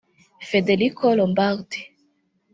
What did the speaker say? Federico Lombardi